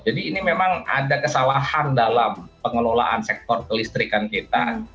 jadi ini memang ada kesalahan dalam pengelolaan sektor kelistrikan kita